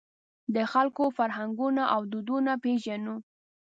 د خلکو فرهنګونه او دودونه پېژنو.